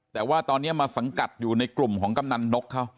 แต่ว่าตอนนี้มาสังกัดอยู่ในกลุ่มของกำนันนกเขา